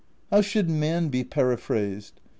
"How should man be periphrased?